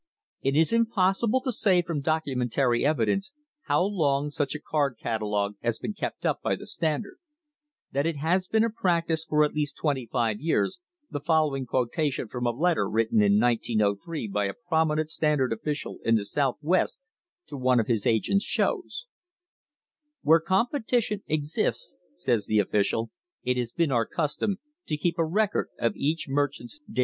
It is impossible to say from documentary evidence how long such a card catalogue has been kept by the Standard; that it has been a practice for at least twenty five years the following quotation from a letter written in 1903 by a promi nent Standard official in the Southwest to one of his agents shows: "Where competition exists," says the official, "it has been our custom to keep a record of each merchant's daily Name P.